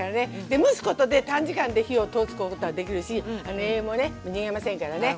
で蒸すことで短時間で火を通すことができるし栄養もね逃げませんからね。